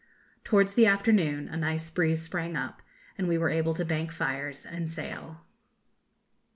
Towards the afternoon a nice breeze sprang up, and we were able to bank fires and sail.